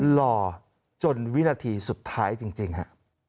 รอจนวินาทีสุดท้ายจริงฮะ